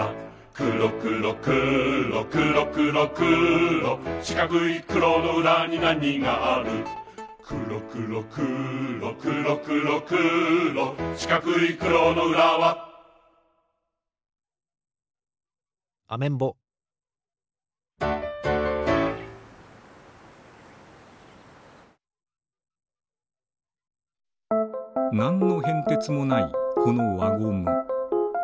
くろくろくろくろくろくろしかくいくろのうらになにがあるくろくろくろくろくろくろしかくいくろのうらはアメンボなんのへんてつもないこのわゴム。